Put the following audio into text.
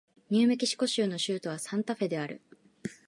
ニューメキシコ州の州都はサンタフェである